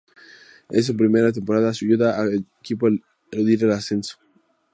En su primera temporada ayuda a su equipo a eludir el descenso.